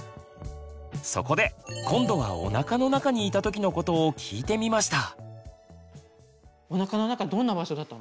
そこで今度はおなかの中にいた時のことを聞いてみました。